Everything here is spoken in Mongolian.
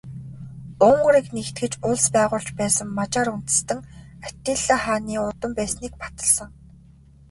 Унгарыг нэгтгэж улс байгуулж байсан Мажар үндэстэн Атилла хааны удам байсныг баталсан.